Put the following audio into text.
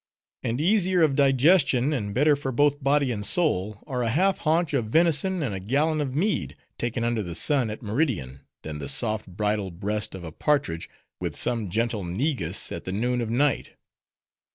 And easier of digestion, and better for both body and soul, are a half haunch of venison and a gallon of mead, taken under the sun at meridian, than the soft bridal breast of a partridge, with some gentle negus, at the noon of night!"